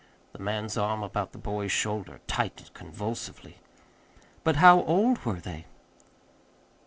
The man's arm about the boy's shoulder tightened convulsively. "But how old were they?"